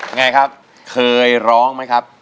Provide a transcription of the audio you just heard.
ไงครับเคยร้องไหมครับ